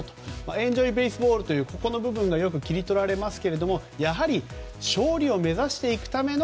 エンジョイベースボールという部分がよく切り取られますが勝利を目指していくための